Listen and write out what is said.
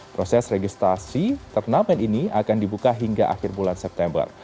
proses registrasi turnamen ini akan dibuka hingga akhir bulan september